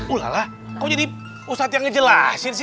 ulah lah kok jadi ustadz yang ngejelasin sih